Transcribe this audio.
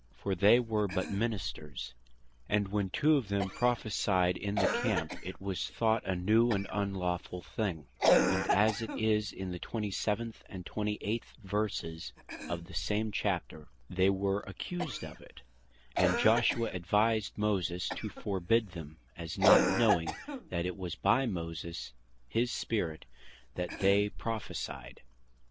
For they were but Ministers; and when two of them Prophecyed in the Camp, it was thought a new and unlawfull thing; and as it is in the 27. and 28. verses of the same Chapter, they were accused of it, and Joshua advised Moses to forbid them, as not knowing that it was by Moses his Spirit that they Prophecyed.